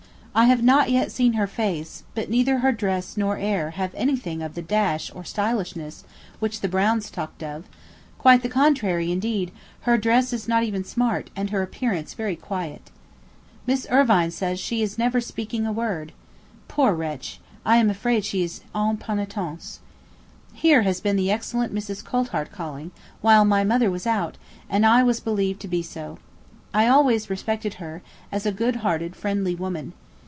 I have not yet seen her face, but neither her dress nor air have anything of the dash or stylishness which the Browns talked of; quite the contrary; indeed, her dress is not even smart, and her appearance very quiet. Miss Irvine says she is never speaking a word. Poor wretch; I am afraid she is en penitence. Here has been that excellent Mrs. Coulthart calling, while my mother was out, and I was believed to be so. I always respected her, as a good hearted friendly woman.